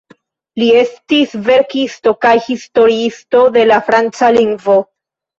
Li estis verkisto kaj historiisto de la franca lingvo.